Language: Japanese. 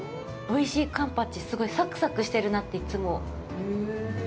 おいしいカンパチすごいサクサクしてるなって、いつも。